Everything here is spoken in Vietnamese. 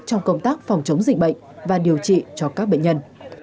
trong công tác phòng chống dịch bệnh và điều trị cho các bệnh nhân